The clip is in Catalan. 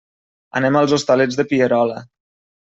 Anem als Hostalets de Pierola.